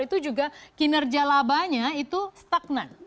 itu juga kinerja labanya itu stagnan